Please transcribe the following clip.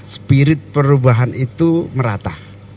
spirit perubahan itu merata